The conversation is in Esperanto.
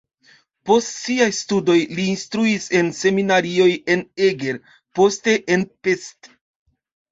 Post siaj studoj li instruis en seminarioj en Eger, poste en Pest.